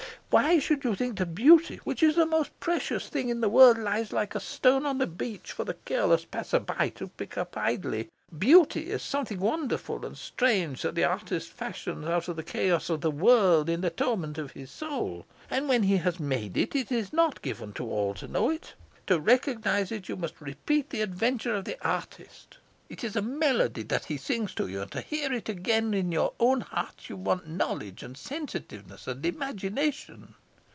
"Why should you think that beauty, which is the most precious thing in the world, lies like a stone on the beach for the careless passer by to pick up idly? Beauty is something wonderful and strange that the artist fashions out of the chaos of the world in the torment of his soul. And when he has made it, it is not given to all to know it. To recognize it you must repeat the adventure of the artist. It is a melody that he sings to you, and to hear it again in your own heart you want knowledge and sensitiveness and imagination."